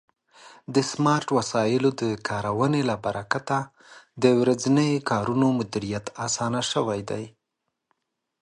د سمارټ وسایلو د کارونې له برکت د ورځني کارونو مدیریت آسانه شوی دی.